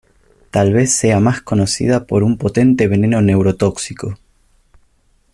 Tal vez sea más conocida por un potente veneno neurotóxico.